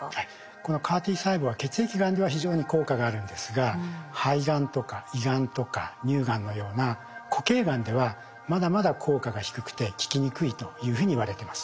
このＣＡＲ−Ｔ細胞は血液がんでは非常に効果があるんですが肺がんとか胃がんとか乳がんのような固形がんではまだまだ効果が低くて効きにくいというふうにいわれてます。